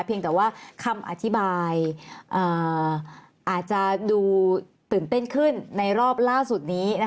เพียงแต่ว่าคำอธิบายอาจจะดูตื่นเต้นขึ้นในรอบล่าสุดนี้